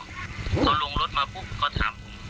เขาลงรถมาปุ๊บเขาถามผม